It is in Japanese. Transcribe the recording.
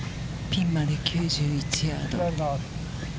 ピンまで９１ヤード。